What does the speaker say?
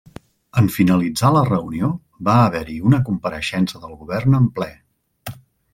En finalitzar la reunió va haver-hi una compareixença del Govern en ple.